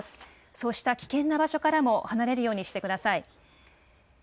そうした危険な場所からも離れるようにしてください。